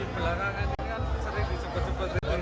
tahuannya sudah boleh